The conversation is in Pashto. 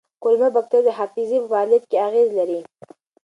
کولمو بکتریاوې د حافظې په فعالیت اغېز لري.